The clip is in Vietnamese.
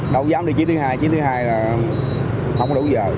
đâu dám đi chiến thứ hai chiến thứ hai là không có đủ giờ